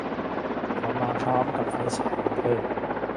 เข้ามาพร้อมกับไฟฉายของเธอ